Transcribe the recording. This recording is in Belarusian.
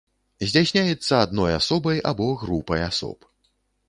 Здзяйсняецца адной асобай або групай асоб.